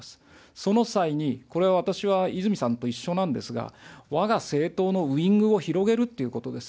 その際に、これは私は泉さんと一緒なんですが、わが政党のウイングを広げるっていうことです。